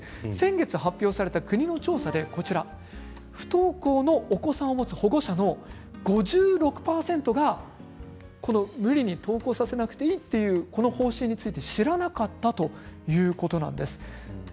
先月発表された国の調査では不登校のお子さんを持つ保護者の５６％が無理に登校させなくていいというこの方針について知らなかったということなんです。